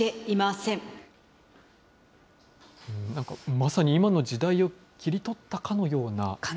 まさに今の時代を切り取ったかのような。